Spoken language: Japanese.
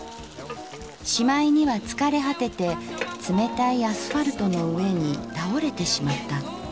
しまいには疲れ果てて冷たいアスファルトの上に倒れてしまった。